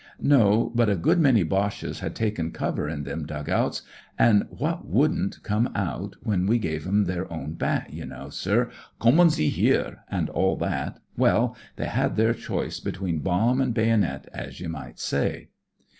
No, but a good many Boches had taken cover in them dug outs ; an' what wouldn't come out when we gave 'em their own bat, ye Imow, sir— 'Kommen Sie hier,' an' aU that— well, they had their choice between bomb an' baynit, as ye might say.